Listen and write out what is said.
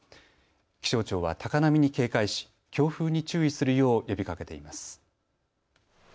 気象庁は高波に警戒し強風に注意するよう呼びかけています。